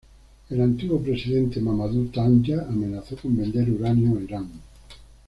El antiguo presidente Mamadou Tandja amenazó con vender uranio a Irán.